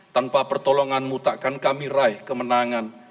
tanpa pertolonganmu takkan kami raih kemenangan